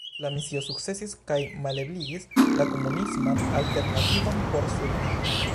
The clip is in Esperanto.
La misio sukcesis kaj malebligis la komunisman alternativon por Surinamo.